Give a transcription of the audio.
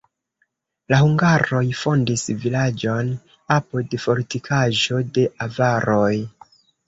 La hungaroj fondis vilaĝon apud fortikaĵo de avaroj.